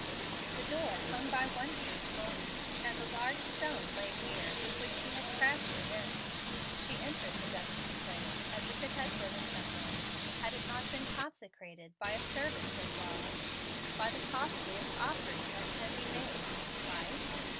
The door hung by one hinge only, and the large stone lay near with which he had crashed it in. She entered the dusky place as if it had been a temple. Had it not been consecrated by a service of love, by the costliest offering that can be made, life?